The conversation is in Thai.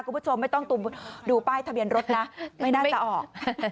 คุณผู้ชมไม่ต้องดูป้ายทะเบียนรถนะไม่น่าจะออก